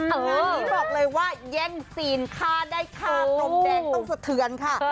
งานนี้บอกเลยว่าแย่งซีนฆ่าได้ฆ่าพรมแดงต้องสะเทือนค่ะ